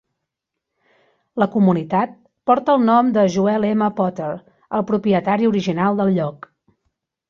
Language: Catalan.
La comunitat porta el nom de Joel M. Potter, el propietari original del lloc.